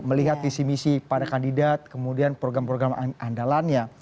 melihat visi misi para kandidat kemudian program program andalannya